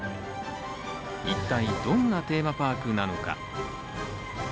一体、どんなテーマパークなのか？